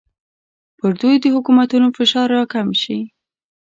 پر دوی د حکومتونو فشار راکم شي.